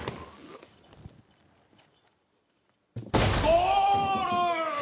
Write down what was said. ゴール！